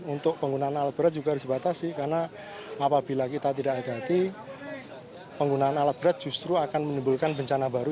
untuk penggunaan alat berat juga harus dibatasi karena apabila kita tidak ada hati penggunaan alat berat justru akan menimbulkan bencana baru